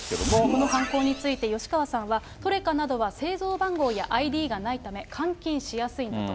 この犯行について、吉川さんは、トレカなどは製造番号やＩＤがないため、換金しやすいんだと。